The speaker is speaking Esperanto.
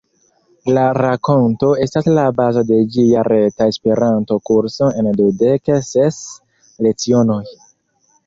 La rakonto estas la bazo de ĝia reta Esperanto-kurso en dudek ses lecionoj.